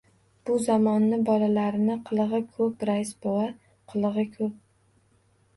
— Bu zamonni bolalarini qilig‘i ko‘p, rais bova, qilig‘i ko‘p.